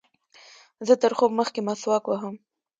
زه تر خوب مخکښي مسواک وهم.